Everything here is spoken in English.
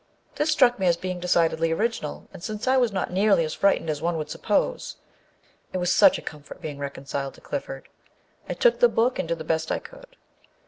This struck me as being decidedly original, and since I was not nearly as frightened as one would suppose (it was such a comfort being reconciled to Clifford !), I took the book and did the best I could.